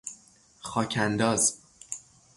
خاک انداز